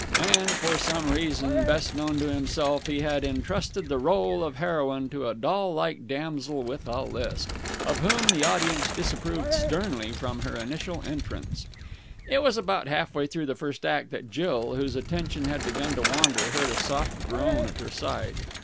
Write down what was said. And, for some reason best known to himself, he had entrusted the rôle of the heroine to a doll like damsel with a lisp, of whom the audience disapproved sternly from her initial entrance. It was about half way through the first act that Jill, whose attention had begun to wander, heard a soft groan at her side.